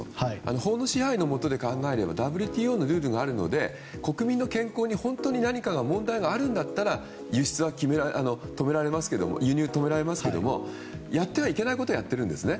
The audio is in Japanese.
法の支配のもとで考えればＷＴＯのルールがあるので国民の健康に本当に何か問題があるんだったら輸入は止められますけどやってはいけないことをやっているんですね。